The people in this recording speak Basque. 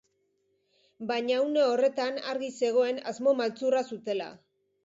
Baina une horretan argi zegoen asmo maltzurra zutela.